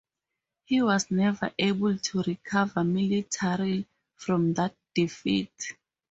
He was never able to recover militarily from that defeat.